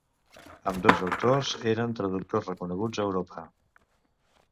Ambdós autors eren traductors reconeguts a Europa.